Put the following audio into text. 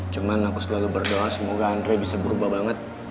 cuman aku selalu berdoa semoga andre bisa berubah banget